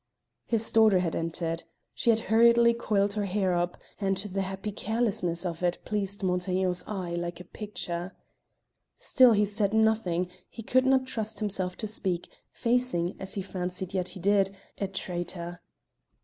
His daughter had entered. She had hurriedly coiled her hair up, and the happy carelessness of it pleased Montaiglon's eye like a picture. Still he said nothing; he could not trust himself to speak, facing, as he fancied yet he did, a traitor.